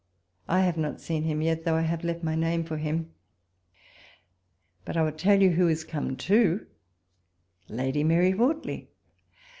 I have not seen him yet, though I have left my name for him. But I will tell you who is come too — Lady Mary Wortley.